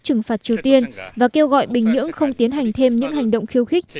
trừng phạt triều tiên và kêu gọi bình nhưỡng không tiến hành thêm những hành động khiêu khích